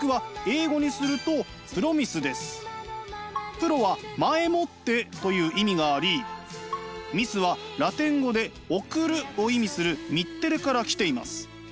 「Ｐｒｏ」は「前もって」という意味があり「ｍｉｓｅ」はラテン語で「送る」を意味する「ｍｉｔｔｅｒｅ」から来ています。